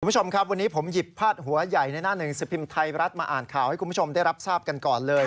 คุณผู้ชมครับวันนี้ผมหยิบพาดหัวใหญ่ในหน้าหนึ่งสิบพิมพ์ไทยรัฐมาอ่านข่าวให้คุณผู้ชมได้รับทราบกันก่อนเลย